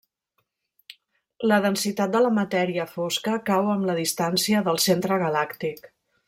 La densitat de la matèria fosca cau amb la distància del centre galàctic.